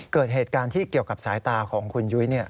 เกิดเหตุการณ์ที่เกี่ยวกับสายตาของคุณยุ้ย